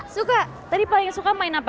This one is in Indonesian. suka tadi paling suka main apa